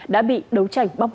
đã bị đấu tranh bóc gỡ